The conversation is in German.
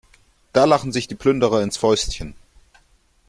Da lachen sich die Plünderer ins Fäustchen.